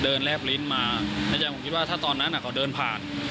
เดินแรบลิ้นมาแล้วจริงผมคิดว่าถ้าตอนนั้นเขาเดินผ่าน